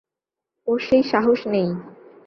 ওর সেই সাহস নেই।